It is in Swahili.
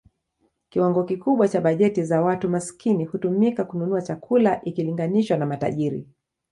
Kiwango kikubwa cha bajeti za watu maskini hutumika kununua chakula ikilinganishwa na matajiri.